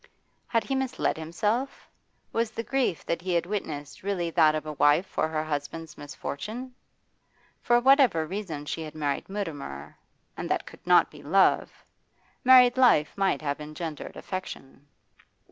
Had he misled himself? Was the grief that he had witnessed really that of a wife for her husband's misfortune? For whatever reason she had married Mutimer and that could not be love married life might have engendered affection.